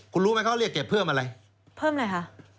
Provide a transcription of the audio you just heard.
คุณรู้ไหมเขาเรียกเก็บเพิ่มอะไรเพิ่มอะไรคะ